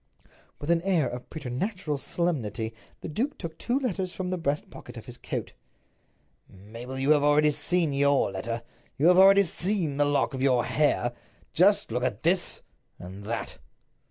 With an air of preternatural solemnity the duke took two letters from the breast pocket of his coat. "Mabel, you have already seen your letter. You have already seen the lock of your hair. Just look at this—and that."